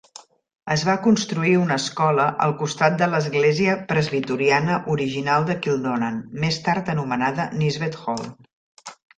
Es va construir una escola al costat de l'església presbiteriana original de Kildonan, més tard anomenada Nisbet Hall.